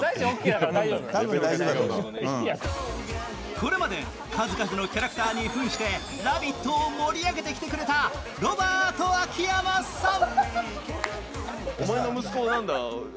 これまで数々のキャラクターに扮して「ラヴィット！」を盛り上げてきてくれたロバート・秋山さん。